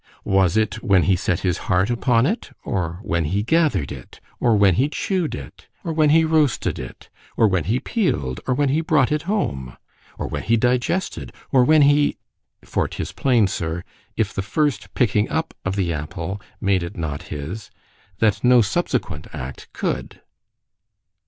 was it, when he set his heart upon it? or when he gathered it? or when he chew'd it? or when he roasted it? or when he peel'd, or when he brought it home? or when he digested?——or when he——?——For 'tis plain, Sir, if the first picking up of the apple, made it not his—that no subsequent act could.